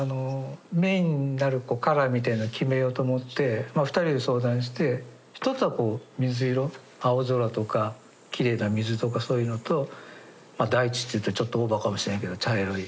メインになるカラーみたいなのを決めようと思って２人で相談して１つは水色青空とかきれいな水とかそういうのと大地って言うとちょっとオーバーかもしれんけど茶色い。